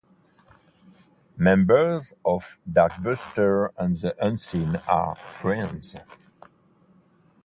Members of Darkbuster and The Unseen are friends.